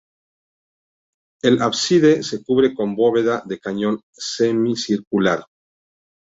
El ábside se cubre con bóveda de cañón semicircular.